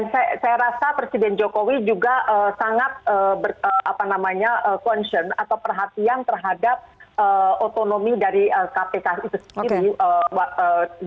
saya rasa presiden jokowi juga sangat concern atau perhatian terhadap otonomi dari kpk itu sendiri